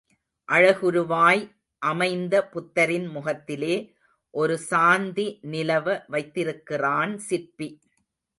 அழகுருவாய் அமைந்த புத்தரின் முகத்திலே ஒரு சாந்தி நிலவ வைத்திருக்கிறான் சிற்பி.